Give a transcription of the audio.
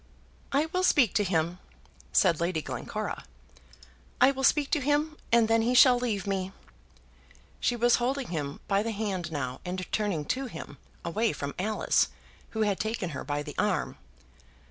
"I will speak to him," said Lady Glencora. "I will speak to him, and then he shall leave me." She was holding him by the hand now and turning to him, away from Alice, who had taken her by the arm.